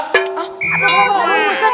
tunggu pak ustadz